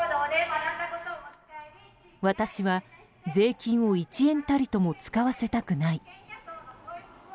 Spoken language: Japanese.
私は税金を１円たりとも使わせたくない。